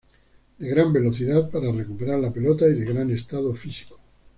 De gran velocidad para recuperar la pelota y de gran estado físico.